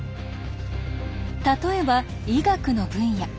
例えば医学の分野。